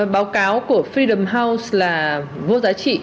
báo cáo của freedom house là vô giải